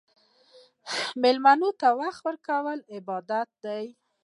مېلمه ته وخت ورکول عبادت دی.